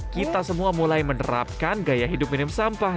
kita semua mulai menerapkan gaya hidup minum sampah